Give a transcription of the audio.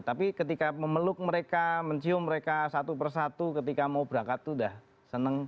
tapi ketika memeluk mereka mencium mereka satu persatu ketika mau berangkat itu udah seneng